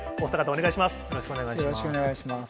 お二方、お願いします。